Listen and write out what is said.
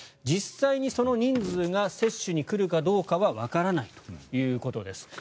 実際にその人数が接種に来るかどうかはわからないということです。